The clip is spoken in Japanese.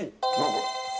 これ。